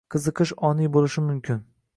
Qiziqish oniy boʻlishi mumkin.